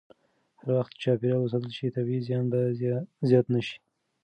هر وخت چې چاپېریال وساتل شي، طبیعي زیان به زیات نه شي.